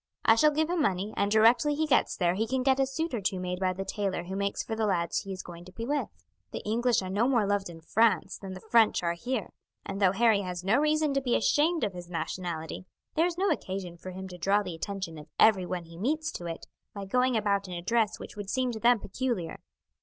I shall give him money, and directly he gets there he can get a suit or two made by the tailor who makes for the lads he is going to be with. The English are no more loved in France than the French are here, and though Harry has no reason to be ashamed of his nationality there is no occasion for him to draw the attention of everyone he meets to it by going about in a dress which would seem to them peculiar."